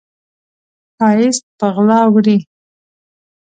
ښایست په غلا وړي